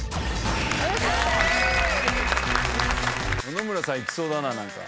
野々村さんいきそうだな何か。